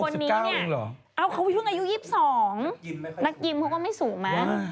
๑๖๙นึงเหรอนักยิมไม่ค่อยสูงนักยิมเขาก็ไม่สูงมาก